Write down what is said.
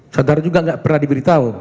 saudara juga nggak pernah diberitahu